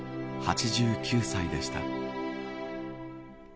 ８９歳でした。